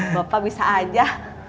bapak bisa aja